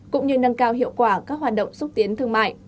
cũng như nâng cao hiệu quả các hoạt động xúc tiến thương mại